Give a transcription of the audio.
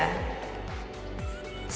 ketemu lagi di acara ini